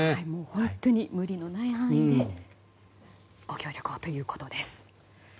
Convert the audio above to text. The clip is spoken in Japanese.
本当に無理のない範囲でご協力をということです。